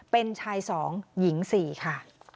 เป็นชาย๒หญิง๔ค่ะ